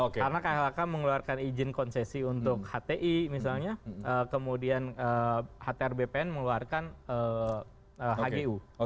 karena klhk mengeluarkan izin konsesi untuk hti misalnya kemudian atr bpn mengeluarkan hgu